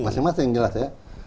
masing masing jelas ya